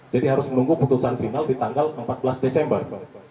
jadi harus menunggu putusan final di tanggal empat belas desember